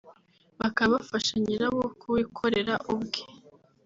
bakaba bafasha nyirawo kuwikorera ubwe